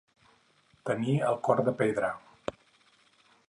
Tenir el cor de pedra.